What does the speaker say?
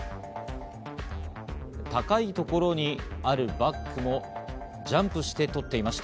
高いところにあるバッグもジャンプして取っていました。